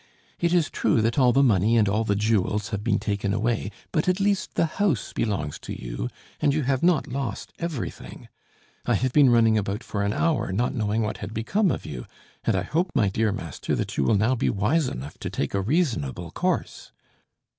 It is true that all the money and all the jewels have been taken away; but at least the house belongs to you, and you have not lost everything. I have been running about for an hour, not knowing what had become of you, and I hope, my dear master, that you will now be wise enough to take a reasonable course."